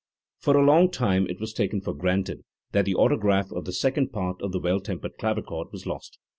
For a long time it was taken for granted that the auto graph of the Second Part of the Well tempered Clavichord was lost.